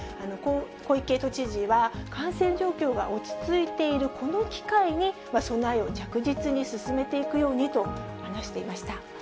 小池都知事は、感染状況が落ち着いているこの機会に、備えを着実に進めていくようにと話していました。